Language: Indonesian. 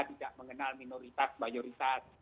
tidak mengenal minoritas mayoritas